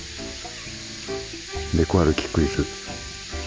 ネコ歩きクイズ。